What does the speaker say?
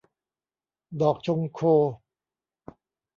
ดอกชงโค